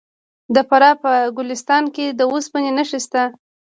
د فراه په ګلستان کې د وسپنې نښې شته.